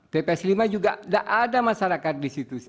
tps lima juga tidak ada masyarakat di situ